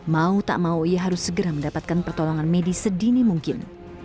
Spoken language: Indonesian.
mau tak mau ia harus segera mendapatkan pertolongan medis sedini mungkin